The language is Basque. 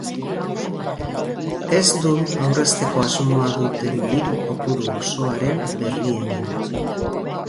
Ez du aurrezteko asmoa duten diru kopuru osoaren berri eman.